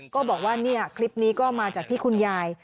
ก็บอกว่าเนี่ยคลิปนี้ก็มาจากที่คุณยาย